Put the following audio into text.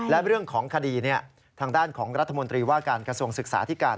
และเรื่องของคดีทางด้านของรัฐมนตรีว่าการกระทรวงศึกษาที่การ